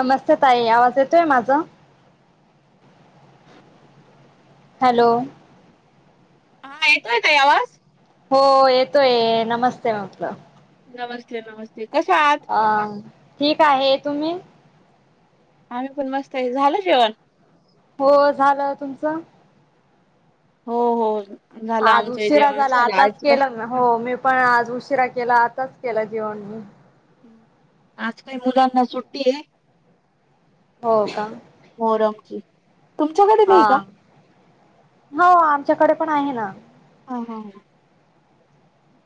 नमस्ते ताई आवाज येतोय माझं हॅलो हा येतोय ताई आवाज हो येतोय नमस्ते म्हटल नमस्ते नमस्ते कशा आहात आ ठीक आहे तुम्ही आम्ही पण मस्त ये झालं जेवण हो झालं तुमचं हो हो. झालं आद आमचं उशिरा जेवण झाल झालं आताच आज काय केल. हो मी पण आज उशिरा केला. आताच केला जेवण बिवन हूं आज काय मुलांना सुट्टी ये. हो का? मोहरम ची हा हो आमच्याकडे पण आहे ना आ हाय ना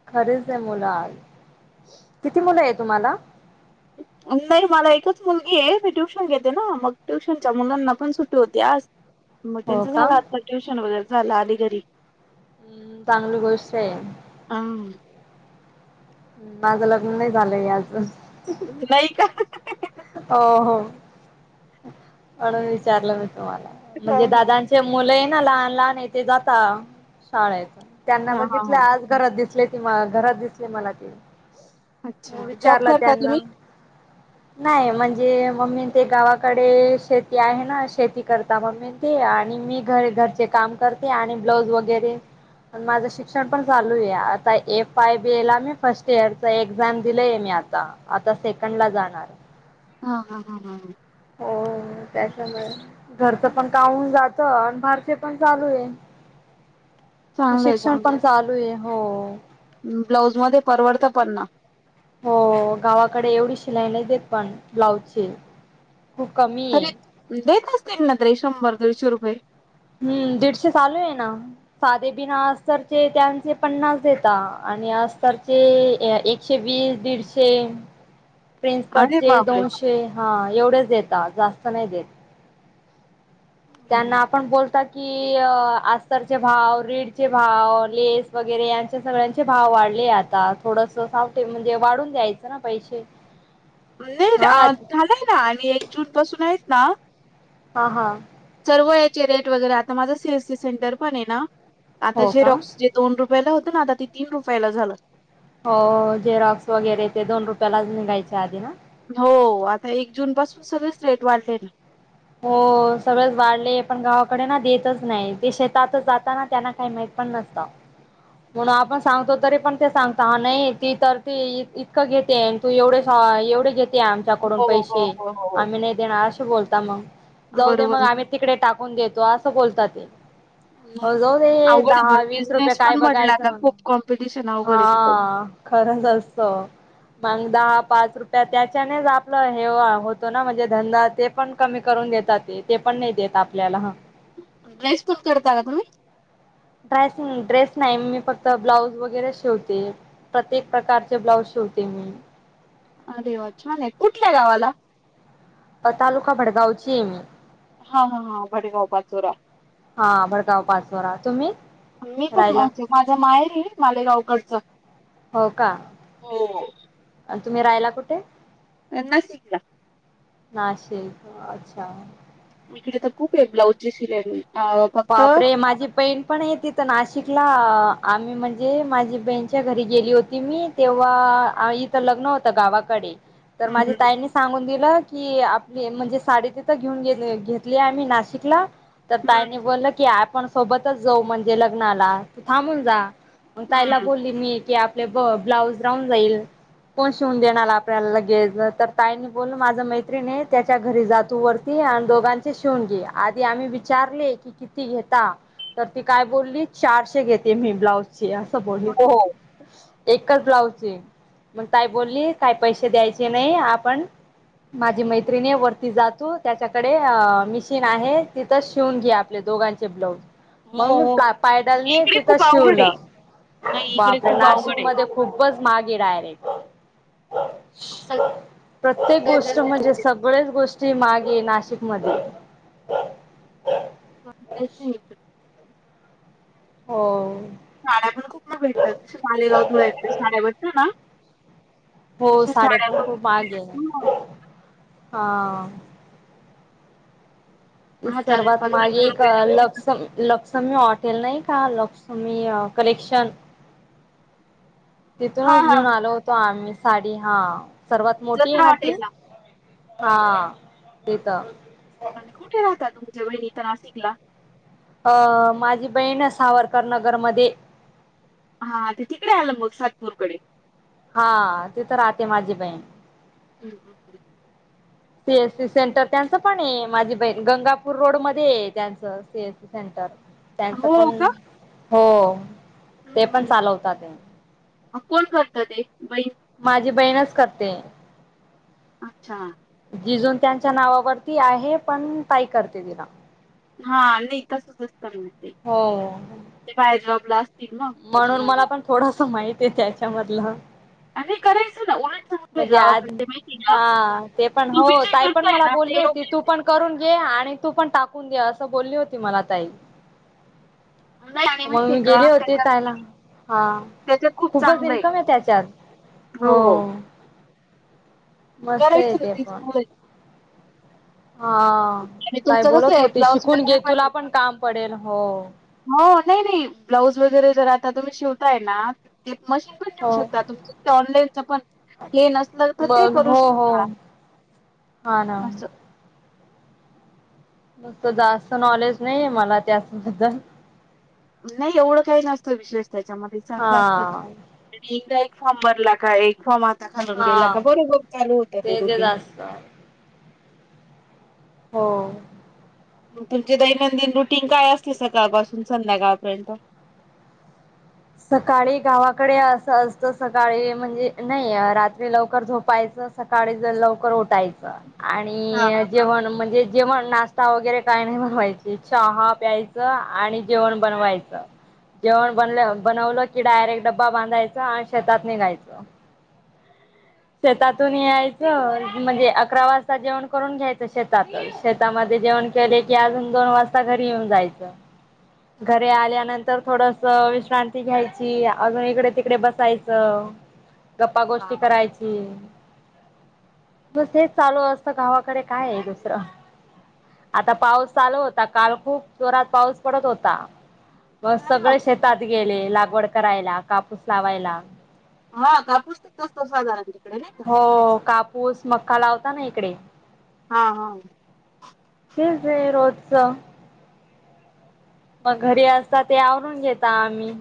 खरीच ये मुला किती मुलं ये तुम्हाला? नही मला एकच मुलगी ये. मी ट्युशन घेते ना मग ट्युशनच्या मुलांना पण सुट्टी होती आज. [unintelligible] म त्यांचं का झाला आता ट्युशन वगैरे झाला आली घरी चांगली गोष्ट आहे. आ हूं माझं लग्न नाय झालंय अजून अं नाही का? हो हो म्हणून विचारलं मी तुम्हाला हा लगे दादां ते मुलं ये ना लहान लहान ये तेे जाता शाळेच त्यांना हा हा. बघितलं हा. आज जरा दिसले की माला जरा दिसले मला ते म अच्छा जॉब विचारला करता त्यांला तुम्ही? [unintelligible] नाही म्हणजे मम्मी ते गावाकडे शेती आहे ना शेती करता मम्मी आणि मी घर घरचे काम करते आणि ब्लाऊज वगैरे प माझं शिक्षण पण चालू आहे आता एफ आय बी एला मी फर्स्ट इयर च एक्झाम दिलंय मी आता आता सेकंड ला जाणार हा हा हा हा ह हो त्याच्यामुळे घरचं पण कामून जात आणि भरसे पण चालू आहे चांगलंय शिक्षण चांगलंय. पण चालू आहे हो ब्लाऊज मध्ये परवडतं पण ना हो गावाकडे एवढी शिलाई नाही देत पण ब्लाउजची खूप कमी आहे देतचतील ना ते शंभर दीडशे रुपये हम्म दीडशे चालू आहे ना साधे बिना अस्तरचे त्यांचे पन्नास देेत आणि अस्तरचे एक एकशे वीस दीडशे प्रिन्स अरे कटचे बापरे! दोनशे हा एवढेच देता जास्त नाय देत. त्यांना आपण बोलतात की अस्तरचे भाव रीढचे भाव लेस वगैरे यांचे सगळ्यांचे भाव वाढले आहेतत आता थोडस सावते म्हणजे वाढून द्यायचं ना पैसे नाही हा झालंय ना आम्ही एक जून पासून आहेत ना हा हा सर्व याचे रेट वगैरे आता माझं सीएसी सेंटर पण आहे ना आता हो जे का रक्स दोन रुपयाला होत ना आता ते तीन रुपयाला झालं हो जेरॉक्स वगैरे ते दोन रुपयालाच नििघायच्या आधी ना हो आता एक जून पासून सगळेच रेट वाढले ना हो सगळेच वाढले पण गावाकडे ना देतच नाही ते शेतात जाता ना त्यांना काही माहित पण नसत म्हणून आपण सांगतो तरी पण ते सांगता हा नाही ती तर ते इतकं घेते तू एवढे एवढे घेते आमच्याकडून हो, हो, पैसे हो, हो. आम्ही नाही देणार असे बोलता मग हो. जाऊ दे बरोबर मग आहे. आम्ही तिकडे टाकून देतो असं बोलत ते नाही. हो जाऊ दे अवघड आहे दहा पण वीस रुपये बिझनेस काय पण म्हटला बघायचं का मग खूप कॉम्पिटिशन अवघड हा आहे तिथं. खरंच असतं मग दहा पाच रुपया त्याच्यानेच आपलं हे होतो ना म्हणजे धंदा ते पण कमी करून देतात ते ते पण नाही देत आपल्याला हा ड्रेस पन करता का तुम्ही ड्रेसिंग ड्रेस नाही मी फक्त ब्लाउज वगैरे शेवते प्रत्ये प्रकारचे ब्लाउज शेवते ते अरे वाचमान आहे कुठल्या गावाला तालुका भडगावची हा हा हा भडेगाव पाातुरा हा भडगाव पाच वरा तुम्ही रायला माझा माय आहे मालेगावकडचं हो का हो तुम्ही राहिला कुठे ना शगला नाशिक अच्छा इकडे तर खूप आहे ब्लाउजची सि मी बापरे माझी बहीण पण आहे तिथ तर नाशिकला आम्ही म्हणजे माझी बहीणच्या घरी गेली होती मी तेव्हा लग्न होत गावाकडे तर हम्म माझी ताई सांगून दिलं की आपली म्हणजे साडी तिथं घेऊन घेतली आहेम्ही नाशिकला तर ताईने हम्म बोललं की आपण सोबतच जाऊ म्हणजे लग्नाला तू थांबून जा मग ताईला हम्म. बोली मी की आपले ब ब्लाऊज राहून जाईल. कोण शिवून देणारला आपल्याला लगेच तर ताईनी बोल माझ मैत्रीणी त्याच्या घरी जातो वर आणि दोघांचे शिवून घे आधी आम्ही विचारले की किती घेता तर ती काय बोल्ली चारशे घेते मी ब्लाउचे असं बोल्ली ती. हो एकच ब्लाऊजची मग ताय बोलली काय पैसे द्यायचे नाही आपण. माझी मैत्रिणीये वरती जा तू, त्याच्याकडे मिशीन आहे तिथं शिवून घ्या. आपले दोघांचे ब्लाऊज. हो मग मी प्ला हो पायडल ने इकडे तिथं खूप अवघड आहे शिवलं नाही इकडे बाप खूप अवघड आहे. नाशिकमध्ये खूपच मागे डायरेक्ट. प्रत्येक सगळ्यात गोष्ट जास्त म्हणजे सब गळेच गोष्टी मागे नाशिक मध्ये. हा तेच कि. हो. साड्या पण खूप म भेटतत [unintelligible] साड्या भेटतात ना. हो तशा साडे साड्या पण खूप माहागे हा. हजार सर्वात मागे पंधराशे एक रुपये अ लक्ष लक्षमी ऑटेल नाही का लक्ष्मी करेक्शन. हा तिथूनच हा घेऊन आलो होतो आम्ही साडी हा सर्वात मोठी ये जत्रा ना ती. हॉटेलला हा ते त. आणि कुठे होता तुमच्या वहिणी तर नाशिकला. अ माझी बहीण सावरकर नगरमध्ये. हा ते तिकडे आलं [unintelligible] सातपूरकडे. हा तिथं राहते माझी बहीण. हम्म हम्म. सी एस सी सेंटर त्यांचं पण ये. माझी बहीण गंगापूर रोड मध्ये ये त्यांचं सी एस सेंटर त्यांच पण हो का? हो ते पण चालवताते. अ कोण करत ते बाईन? माझी बहीणच करते. अच्छा. जिजून त्यांच्या नावावरती आहे. पण ताई करते तिला. हा नाही [unintelligible] हो. ते बाहेर जॉबला अस म्हणून मला पण थोडस माहिती ये त्याच्यामधलं. आणि करायच ना उलट चांगलं आहे म्हणजे आ गावाकडे माहिती आहे का हा ते पण हो तुम्ही जे ताई पण करताय मला ना बोल्ली ते होती योग्य तू पण करून घे आणि तू पण टाकून दे असं बोलली होती मला ताई. नाही आणि मग माहितीय मी का गेले होते त्याच्यात त्यायला हा. त्याच्यात खूप खूपच चांगलं आहे. इनकम ये त्याच्यात हो. मस्त करायचं येते होतीस पण होय. हा आणि काय तुमचं कसं बोलत आहे होती ब्लाऊज शिकून घे वगैरे तुला पण काम पडेल हो. हो नाही नाही ब्लाऊज वगैरे जरा आता तुम्ही शिवताय ना. ते मशीन पण देऊ हो शकता तुमच ते ऑनलाईनच पण हे नसलं तर ते मग करू हो हो शकता. हा ना. असं. नुसतं जास्त नॉलेज नाही ये मला त्याचबद्दल. नाही एवढं काही नसतं विशेष त्याच्यामध्ये हा चांगलं असतं. आणि एकदा एक फॉर्म भरला का एक फॉर्म आता खालून गेला का बरोबर चालू होत ते रोटीन. गा. हो. मग तुमचे दैनंदिन रुटीन काय असते सकाळपासून संध्याकाळपर्यंत? सकाळी गावाकडे असं असतं सकाळी म्हणजे नाही रात्री लवकर झोपायचं सकाळी जर लवकर उठायचं हा. आणि जेवण म्हणजे जेवण नाश्ता वगैरे काय नाही बनवायचे चहा प्यायचं आणि जेवण बनवायचं जेवण बनले बनवलं की डायरेक्ट डब्बा बांधायच आणि शेतात निघायच शेतातून यायचं म्हणजे अकरा वाजता जेवण करून घ्यायचं शेतातच शेतामध्ये जेवण केले की अजून दोन वाजता घरी येऊन जायचं घरी आल्यानंतर थोडस विश्रांती घ्यायची अजून इकडे तिकडे बसायचं गप्पा गोष्टी हा करायची बस हेच चालू असत गावाकडे काय आहे दुसरं आता पाऊस चालू होता. काल खूप जोरात पाऊस पडत होता. मग अरे वा सगळे शेतात गेले. लागवड करायला कापूस लावायला. हा कापूस पिकतो तस तर साधारण तिकडे नाही. हो कापूस मक्का, लावता ना इकडे हां हां तेच आहे. रोजच मग घरी असता ते आवरून घेता आम्ही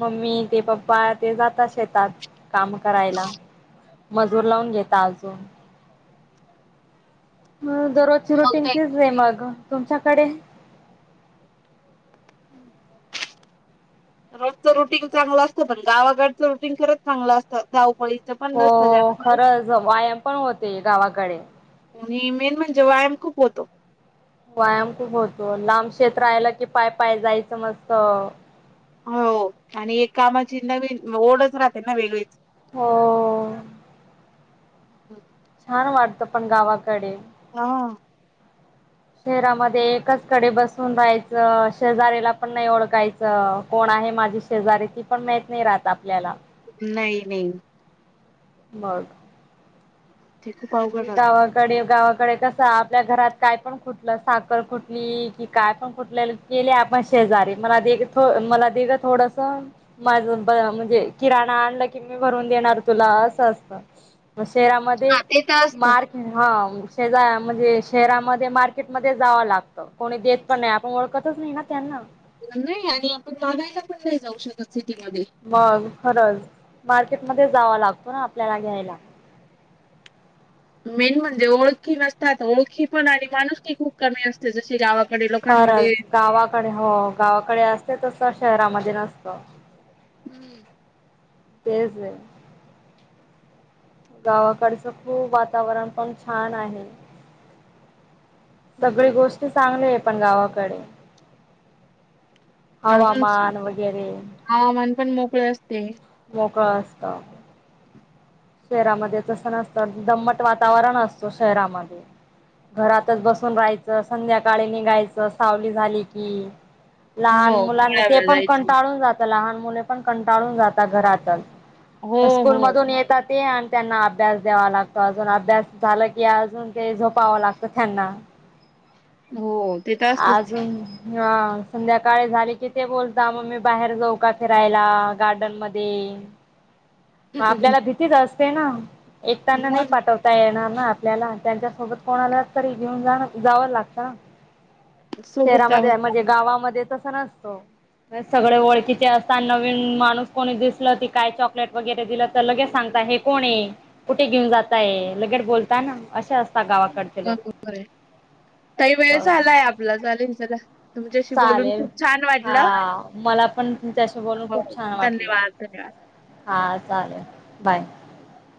मम्मी ते पप्पा ते जाता शेतात काम करायला मजूर लावून घेता अजून दररोजची मग रुटीन ते तीच र मग तुमच्याकडे [inaudible] रोजचं रुटीन चांगलं असतं पण गावागडचं रुटीन खरंच चांगलं असतं धवपळी. हो खरंच व्यायाम पण होते गावाकडे, आणि मेन म्हणजे व्यायाम खूप होतो व्यायाम खूप होतो लांब कषेत राहाला की पाय पाय जायचं मस्त. हो आणि एक कामाची नवीन ओढच राहते ना वेगळीच हो ह छान वाटत पण गावाकडे हा ह शहरामध्ये एकचकडे बसून राहायचं शेजऱ्याला पण नाही ओळखायचं अ कोण आहे माझी शेजारी ती पण माहत नाही राहत आपल्याला नाही नाही मग ते खूप अवघड ी राहत. आवा कडे गावाकडे कसं आपल्या घरात काय पण खुटलं साखर खुटली कि काय पण कुटले केले आपण शेजारी मला दे मला दे ग थोडस माझ म्हणजे किराणा आणला की मी भरून देणार तुला असं असतं मग शेरामध्ये हा ते तर असतं. हा शेज म्हणजे शेरामध्ये मार्केटमध्ये जावं लागतं कोणी देत पण नाही आपण ओळखतच नाही ना त्यांना नाही आणि आपण मागायला पण नाही जाऊ शकत सिटीमध्येध्ये मग खरंच मार्केटमध्ये जावा लागतो ना आपल्याला घ्यायला मेन म्हणजे ओळखी नसतात ओळखी पण आणि माणूस ही खूप कमी असते जशी गावा खरंच गावाकडे हो गावाकडे असते तस शहरामध्ये नसतं हम्म तेज आहे गावाकडचं खूप वातावरण पण छान आहे सगळी गोष्टी चांगली आहे पण गावाकडे अजून हवामान वगैरे हवामान पण मोकळे असते. मोकळ असत शहरामध्ये तस नसतं दम्मट वातावरण असतो शहरामध्ये घरातच बसून राहायचं संध्याकाळी निघायचं सावली झाली की लहान हो मुलांना ते फिरायला पण जायचं. कंटाळून जात लहान मुले पण कंटाळून जातात घरातच हो तर स्कूल हो मधून येत ते आणि त्यांना अभ्यास द्यावा लागतो अजून अभ्यास झाला की अजून ते झोपवावा लागतं त्यांना हो ते तर असतच. अजून हा संध्याकाळी झाली की ते बोलता मग मी बाहेर जाऊ का फिरायला गार्डन मध्ये मग आपल्याला भीतीच असते ना एकताना नाही मग पाठवते येणार ना आपल्याला त्यांच्यासोबत कोणाला तरी घेऊन जाण जावं लागत सोबत शहरामध्ये अवस्था म्हणजे गावामध्ये तस नसतो सगळे ओळखीचे असतात नवीन माणूस कोणी दिसल ती काय चॉकलेट वगैरे दिलं तर लगे सांग हे कोण आहे कुठे घेऊन जाताय लगेड बोलताना अ असत र आहे काही वेळ बरोबर झालाय आपला चालेल चला तुमच्याशी बोलून चालेल खूप छान हा वाटलं मला पण त्याशी बोलून हो खूप छान वाटलं धन्यवाद धन्यवाद. हा चालेल बाय